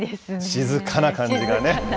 静かな感じがね。